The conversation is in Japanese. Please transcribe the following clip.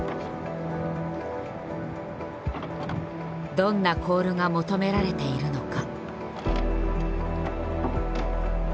どんなコールが求められているのか。